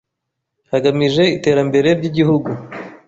hagamije iterambere ry’Igihugu